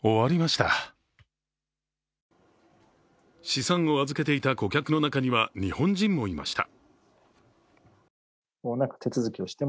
資産を預けていた顧客の中には日本人もいました。